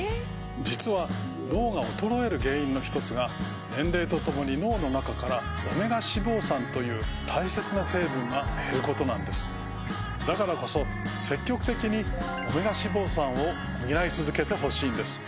実は脳が衰える原因のひとつが年齢と共に脳の中からオメガ脂肪酸という大切な成分が減ることなんですだからこそ積極的にオメガ脂肪酸を補い続けて欲しいんです